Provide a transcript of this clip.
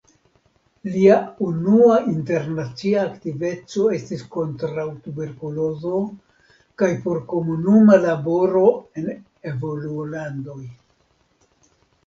Lia unua internacia aktiveco estis kontraŭ tuberkulozo kaj por komunuma laboro en evolulandoj.